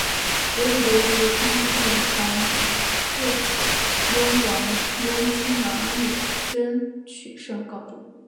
九子夺嫡以康熙帝皇四子雍亲王胤禛取胜告终。